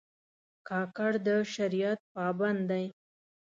کاکړ د شریعت پابند دي.